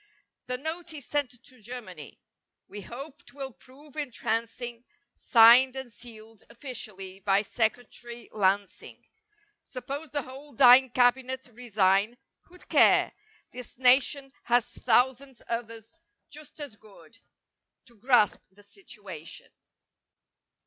The "Note" is sent to Germany, (We hope 'twill prove entrancing) Signed and sealed, offlcially By Secretary Lansing. Suppose the whole dang cabinet Resign—who'd care! This nation Has thousands others "just as good" To "grasp the situation."